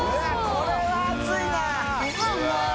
これは熱いな。